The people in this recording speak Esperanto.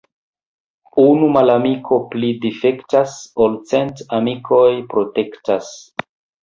Unu malamiko pli difektas, ol cent amikoj protektas.